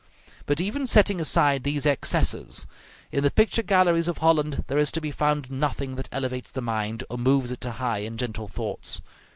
But even setting aside these excesses, in the picture galleries of Holland there is to be found nothing that elevates the mind, or moves it to high and gentle thoughts.